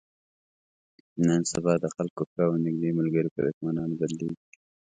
نن سبا د خلکو ښه او نیږدې ملګري په دښمنانو بدلېږي.